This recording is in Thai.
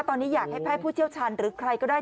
ตอนนี้อยากให้แพทย์ผู้เชี่ยวชาญหรือใครก็ได้